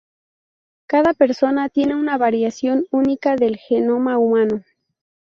Cada persona tiene una variación única del genoma humano.